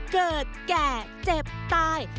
เกิดแก่เจ็บตาย